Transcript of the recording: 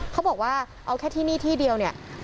เขาบอกว่าเอาแค่ที่นี่ที่เดียวเนี่ย